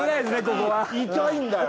ここは。痛いんだよ。